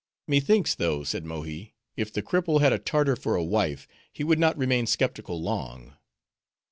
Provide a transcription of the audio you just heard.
"Methinks though," said Mohi, "if the cripple had a Tartar for a wife, he would not remain skeptical long."